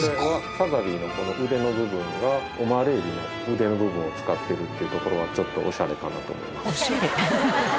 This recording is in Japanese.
サザビーのこの腕の部分はオマール海老の腕の部分を使ってるというところがちょっとオシャレかなと思います。